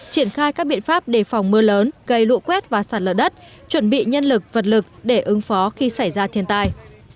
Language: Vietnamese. triển khai các biện pháp đề phòng mưa lớn gây lụ quét và sạt lở đất chuẩn bị nhân lực vật lực để ứng phó khi xảy ra thiên tai